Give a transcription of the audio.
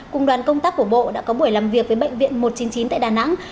cùng đoàn công tác của bộ đã có buổi làm việc với bệnh viện một trăm chín mươi chín tại đà nẵng